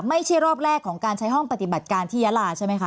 ไม่ใช่รอบแรกของการใช้ห้องปฏิบัติการที่ยาลาใช่ไหมคะ